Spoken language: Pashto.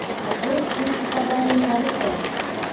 اګوست کُنت پخوا دا علم تعریف کړ.